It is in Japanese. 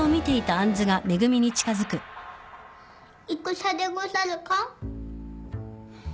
戦でござるか？